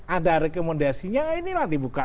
ada rekomendasinya inilah dibuka